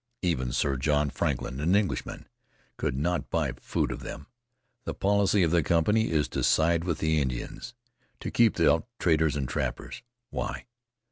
Even Sir John Franklin, an Englishman, could not buy food of them. The policy of the company is to side with the Indians, to keep out traders and trappers. Why?